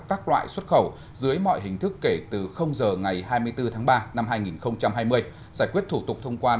các loại xuất khẩu dưới mọi hình thức kể từ giờ ngày hai mươi bốn tháng ba năm hai nghìn hai mươi giải quyết thủ tục thông quan